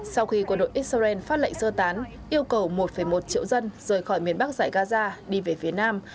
sau khi quân đội israel phát lệnh sơ tán yêu cầu một một triệu dân rời khỏi miền bắc giải gaza đi về phía nam